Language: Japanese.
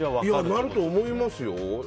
なると思いますよ。